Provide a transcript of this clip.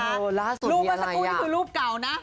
ลูกมาสักกูนี่คือลูกเก่านะ